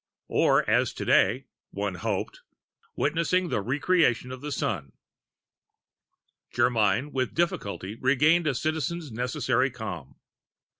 Or as today one hoped witnessing the Re creation of the Sun. Germyn with difficulty retained a Citizen's necessary calm.